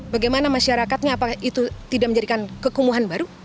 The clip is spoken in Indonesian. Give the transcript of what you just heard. bagaimana masyarakatnya apakah itu tidak menjadikan kekumuhan baru